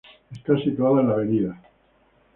Está situada en la Avda.